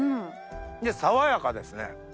で爽やかですね。